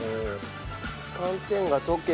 寒天が溶けた。